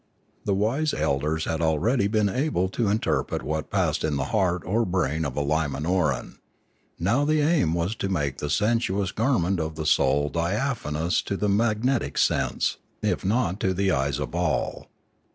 The wise elders had already 604 Limanora been able to interpret what passed in the heart or brain of a Limanoran ; now the aim was to make the sensuous garment of the soul diaphanous to the magnetic sense, if not to the eyes of all.